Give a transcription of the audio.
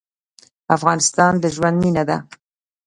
افغانستان د ژوند مېنه ده.